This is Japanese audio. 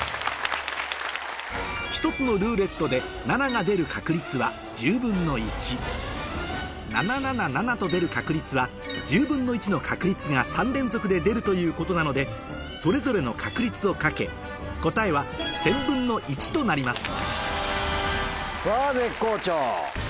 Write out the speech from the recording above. １つのルーレットで「７７７」と出る確率は１０分の１の確率が３連続で出るということなのでそれぞれの確率を掛け答えは１０００分の１となります